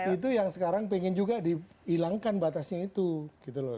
itu yang sekarang pengen juga dihilangkan batasnya itu gitu loh